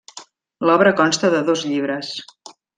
L'obra consta de dos llibres.